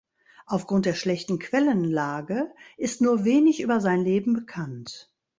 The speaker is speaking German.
Aufgrund der schlechten Quellenlage ist nur wenig über sein Leben bekannt.